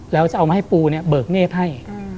แล้วจะเอามาให้ปูเนี่ยเบิกเนธให้